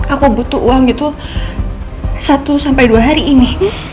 aku butuh uang gitu satu sampai dua hari ini